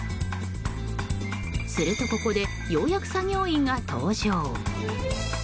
すると、ここでようやく作業員が登場。